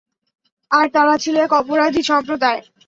আর তারা ছিল এক অপরাধী সম্প্রদায়।